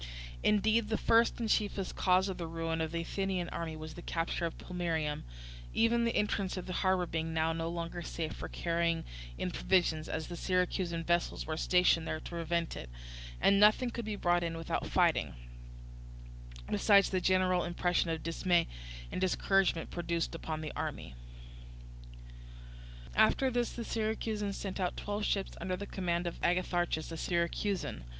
Indeed the first and chiefest cause of the ruin of the Athenian army was the capture of Plemmyrium; even the entrance of the harbour being now no longer safe for carrying in provisions, as the Syracusan vessels were stationed there to prevent it, and nothing could be brought in without fighting; besides the general impression of dismay and discouragement produced upon the army. After this the Syracusans sent out twelve ships under the command of Agatharchus, a Syracusan.